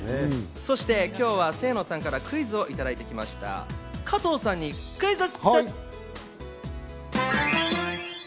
そして今日は清野さんからクイズもいただいてきました、加藤さんにクイズッス！